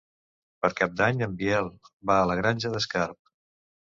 Per Cap d'Any en Biel va a la Granja d'Escarp.